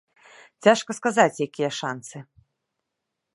Цяжка сказаць, якія шанцы.